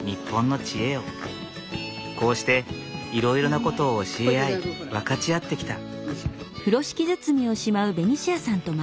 こうしていろいろなことを教え合い分かち合ってきた。